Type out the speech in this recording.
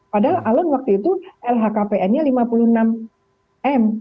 padahal alun waktu itu lhkpn nya lima puluh enam m